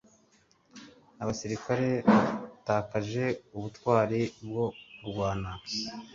Abasirikare batakaje ubutwari bwo kurwana